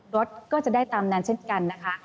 รถก็จะได้ตามนั้นเช่นกันนะคะ